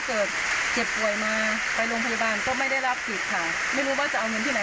ก็หาให้กินไปวันก็จะไม่รอดอยู่แล้วอย่างนี้ค่ะ